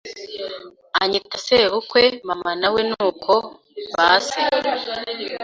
anyita sebukwe mama na we nuko base